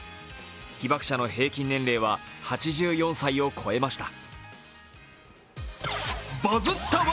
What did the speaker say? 被爆者の平均年齢は８４歳を超えました。